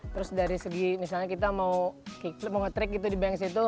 terus dari segi misalnya kita mau kickflip mau ngetrik gitu di banks itu